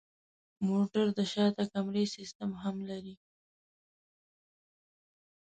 موټر د شاته کمرې سیستم هم لري.